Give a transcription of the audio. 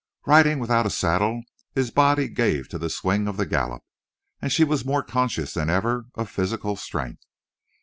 Riding without a saddle his body gave to the swing of the gallop, and she was more conscious than ever of physical strength.